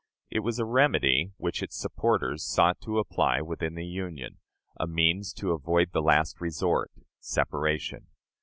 It was a remedy which its supporters sought to apply within the Union; a means to avoid the last resort separation.